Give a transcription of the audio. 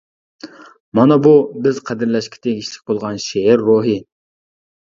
مانا بۇ، بىز قەدىرلەشكە تېگىشلىك بولغان شېئىر روھى!